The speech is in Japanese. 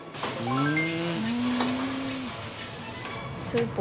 うん